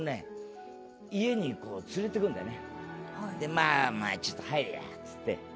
「まあまあちょっと入れや」っつって。